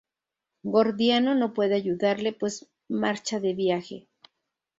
Gordiano no puede ayudarle, pues marcha de viaje.